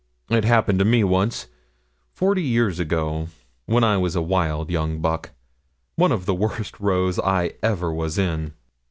It happened to me once forty years ago, when I was a wild young buck one of the worst rows I ever was in.'